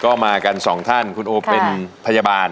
ก็มากันสองท่านคุณโอเป็นพยาบาล